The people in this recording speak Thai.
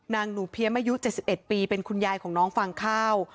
หนูเพี้ยมอายุ๗๑ปีเป็นคุณยายของน้องฟางข้าว